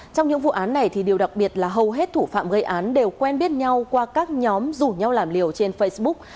trong những vụ án này thì điều đặc biệt là hầu hết thủ phạm gây án đều quen biết nhau qua các nhóm rủ nhau làm liều trên facebook